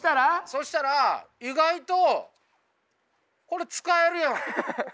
そしたら意外とこれ使えるやろ。